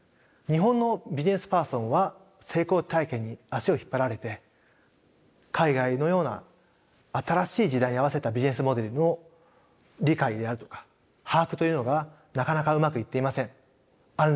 日本のビジネスパーソンは成功体験に足を引っ張られて海外のような新しい時代に合わせたビジネスモデルの理解であるとか把握というのがなかなかうまくいっていません。